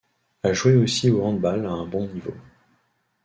A joué aussi au handball à un bon niveau.